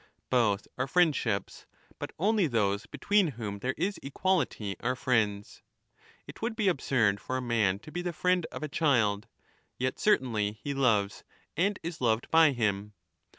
Both are friendships, but only thosebgtw een whom there is equa li ty are frie nds ;\ it would be absurd for a man to be the frieh^ of a childTyet 5 ~" certainly he loves and is loved by him.